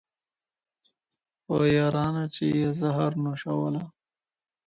په یارانو چي یې زهر نوشوله